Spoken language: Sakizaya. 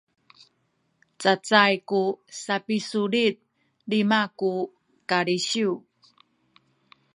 cacay ku sapisulit lima ku kalisiw